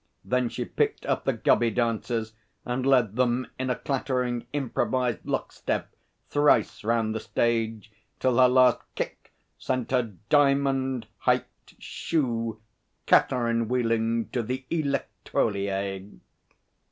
Then she picked up the Gubby dancers and led them in a clattering improvised lockstep thrice round the stage till her last kick sent her diamond hiked shoe catherine wheeling to the electrolier.